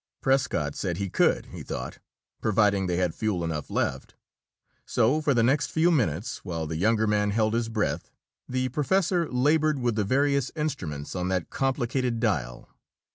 Prescott said he could, he thought, providing they had fuel enough left. So for the next few minutes, while the younger man held his breath, the professor labored with the various instruments on that complicated dial.